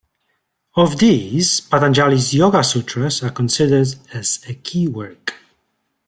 Of these, Patanjali's Yoga Sutras are considered as a key work.